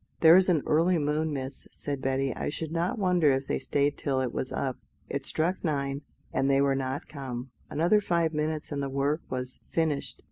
"There is an early moon, miss," said Betty; "I should not wonder if they stayed till it was up." It struck nine, and they were not come; another five minutes and the work was finished.